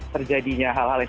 terjadinya hal hal yang